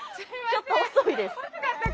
ちょっと遅いです。